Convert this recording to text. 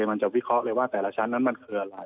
มันจะวิเคราะห์เลยว่าแต่ละชั้นนั้นมันคืออะไร